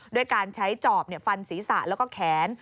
ด้วยการใช้จอบฟันศีรษะแล้วก็แขน